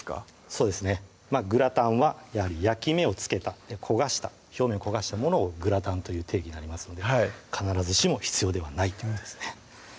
そうですねグラタンはやはり焼き目をつけた表面を焦がしたものをグラタンという定義になりますのではい必ずしも必要ではないということですね